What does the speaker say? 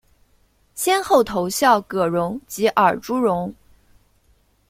先后投效葛荣及尔朱荣。